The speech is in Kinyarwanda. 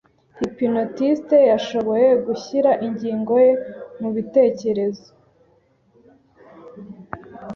Hypnotiste yashoboye gushyira ingingo ye mubitekerezo.